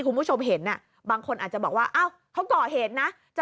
คุณผู้ชมลองฟังเสียงผู้การหน่อยค่ะ